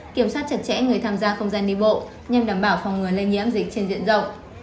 kiểm soát chặt chẽ người tham gia không gian đi bộ nhằm đảm bảo phòng ngừa lây nhiễm dịch trên diện rộng